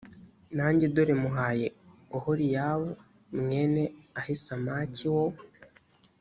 nanjye dore muhaye oholiyabu mwene ahisamaki wo